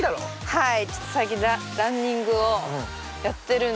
はい。